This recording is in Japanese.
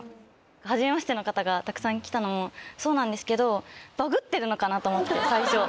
はじめましての方がたくさん来たのもそうなんですけど。と思って最初。